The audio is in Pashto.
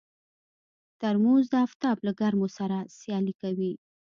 ترموز د افتاب له ګرمو سره سیالي کوي.